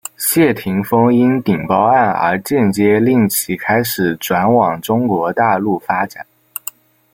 谢霆锋因顶包案而间接令其开始转往中国大陆发展。